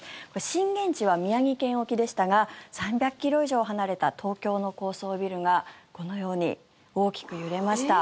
震源地は宮城県沖でしたが３００ｋｍ以上離れた東京の高層ビルがこのように大きく揺れました。